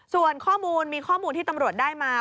ส่วนข้อมูลมีข้อมูลที่ตำรวจได้มา